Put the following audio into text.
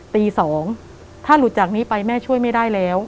ตี๒ถ้าหลุดจากนี้ไปแม่ช่วยไม่ได้แล้ว